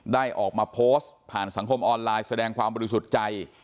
ได้ออกมาโพสต์ผ่านสังคมออนไลน์แสดงความบริสุทธิ์ใจ